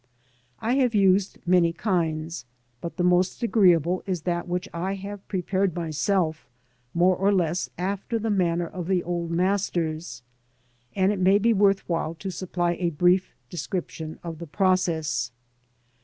I have used many kinds, but the most agreeable is that which I have prepared myself, more or less after the manner of the old masters, and it may be worth while to supply a brief description of the process.